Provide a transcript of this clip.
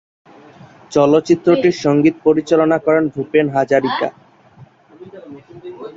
চলচ্চিত্রটির সংগীত পরিচালনা করেন ভূপেন হাজারিকা।